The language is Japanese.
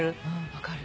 分かる。